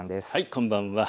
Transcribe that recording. こんばんは。